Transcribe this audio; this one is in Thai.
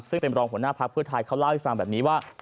ซึ่งเป็นรองหัวหน้าพักเพื่อไทยเขาเล่าให้ฟังแบบนี้ว่า